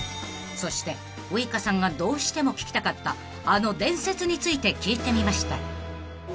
［そしてウイカさんがどうしても聞きたかったあの伝説について聞いてみました］